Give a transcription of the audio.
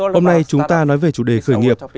hôm nay chúng ta nói về chủ đề khởi nghiệp